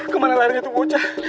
kemana lari gitu bocah